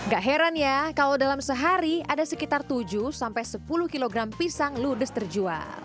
gak heran ya kalau dalam sehari ada sekitar tujuh sampai sepuluh kilogram pisang ludes terjual